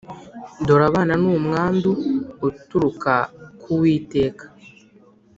dore abana ni umwandu uturuka ku uwiteka,